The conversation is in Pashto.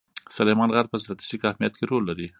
سلیمان غر په ستراتیژیک اهمیت کې رول لري.